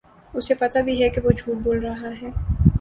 اُسے پتہ بھی ہے کہ وہ جھوٹ بول رہا ہے